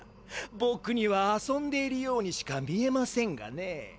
ぼくには遊んでいるようにしか見えませんがねえ。